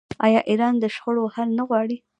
آیا ایران د شخړو حل نه غواړي؟